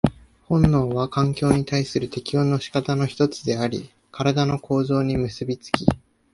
本能は環境に対する適応の仕方の一つであり、身体の構造に結び付き、